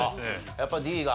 やっぱＤが。